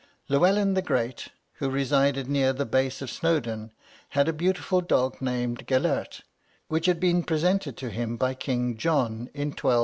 Llewelyn the Great, who resided near the base of Snowdon, had a beautiful dog named Gelert, which had been presented to him by King John in 1205.